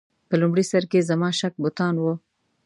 په لومړي سر کې زما شک بتان و.